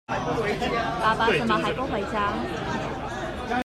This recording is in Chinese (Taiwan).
爸爸怎麼還不回家